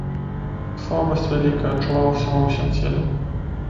Слабасць вялікая адчувалася ва ўсім целе.